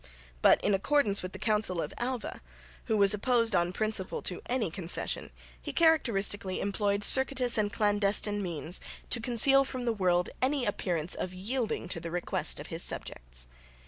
But in accordance with the counsel of Alva, who was opposed on principle to any concession, he characteristically employed circuitous and clandestine means to conceal from the world any appearance of yielding to the request of his subjects.